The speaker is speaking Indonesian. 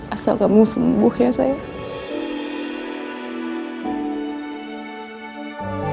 asal kamu sembuh ya saya